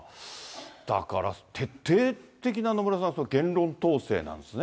だから徹底的な野村さん、言論統制なんですね。